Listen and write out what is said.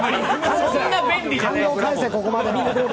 感動を返せ、ここまでの。